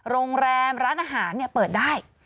โรงแรมร้านอาหารเปิดได้